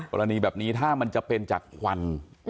กรณีแบบนี้ถ้ามันจะเป็นจากควัน